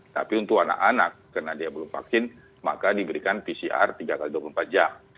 tapi untuk anak anak karena dia belum vaksin maka diberikan pcr tiga x dua puluh empat jam